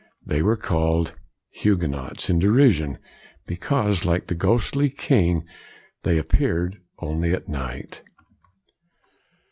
They were called Huguenots in derision, be cause like the ghostly king they appeared only at night.